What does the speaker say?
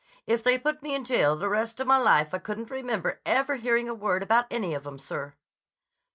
"If they put me in jail the rest of my life I couldn't remember ever hearing a word about any of 'em, sir."